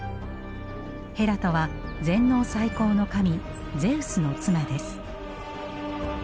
ヘラとは全能最高の神ゼウスの妻です。